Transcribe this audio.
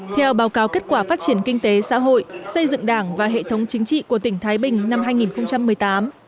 theo báo cáo kết quả phát triển kinh tế xã hội xây dựng đảng và hệ thống chính trị của tỉnh thái bình năm hai nghìn một mươi tám